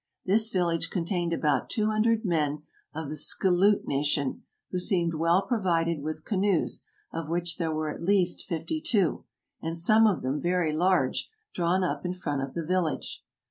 This village contained about two hundred men of the Skilloot nation, who seemed well provided with canoes, of which there were at least fifty two, and some of them very large, drawn up in front of the village.